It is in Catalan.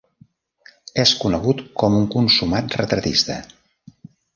És conegut com un consumat retratista.